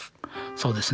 そうですね。